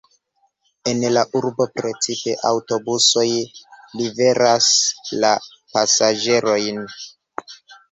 En la urbo precipe aŭtobusoj liveras la pasaĝerojn.